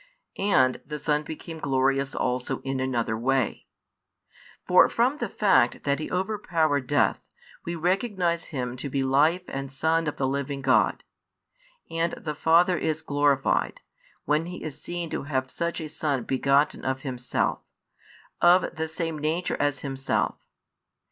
And the Son became glorious also in another way. For from the fact that He overpowered death, we recognise Him to be Life and Son of the Living God. And the Father is glorified, when He is seen to have such a Son begotten of Himself, of the same Nature as Himself.